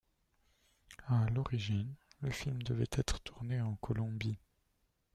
À l'origine le film devait être tourné en Colombie.